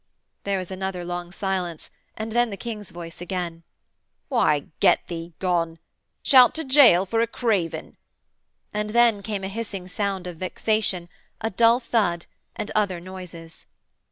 There was another long silence, and then the King's voice again: 'Why, get thee gone. Shalt to gaol for a craven....' And then came a hissing sound of vexation, a dull thud, and other noises.